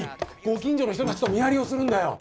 ご近所の人たちと見張りをするんだよ。